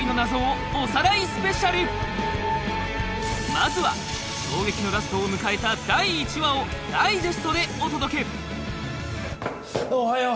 まずは衝撃のラストを迎えた第１話をダイジェストでお届けおはよう！